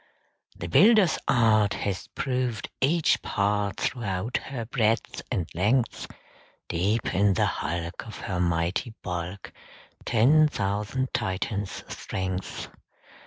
"The builder's art Has proved each part Throughout her breadth and length; Deep in the hulk, Of her mighty bulk, Ten thousand Titans' strength."